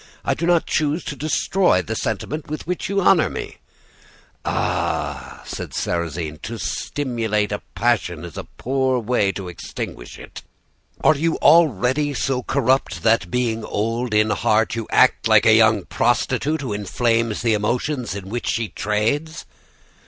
I do not choose to destroy the sentiment with which you honor me.' "'Ah!' said Sarrasine, 'to stimulate a passion is a poor way to extinguish it! Are you already so corrupt that, being old in heart, you act like a young prostitute who inflames the emotions in which she trades?